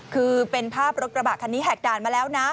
คือเป็นภาพรถกระบะคันนี้แหกด่านมาแล้วนะ